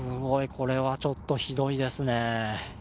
これは、ちょっとひどいですね。